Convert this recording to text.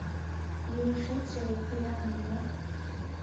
Илышетше кулямын мо?